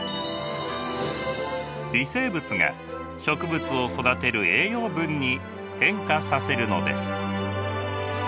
微生物が植物を育てる栄養分に変化させるのです。